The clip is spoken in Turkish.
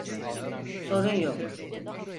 Sorun yok!